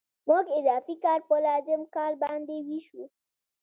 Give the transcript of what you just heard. موږ اضافي کار په لازم کار باندې وېشو